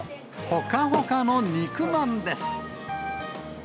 ほかほかの肉まんです。